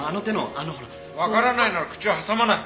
わからないなら口を挟まない。